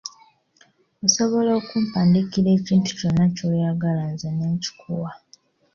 Osobola okumpandiikira ekintu kyonna ky'oyagala nze ne nkikuwa.